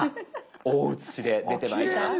大写しで出てまいります。